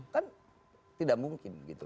kan tidak mungkin gitu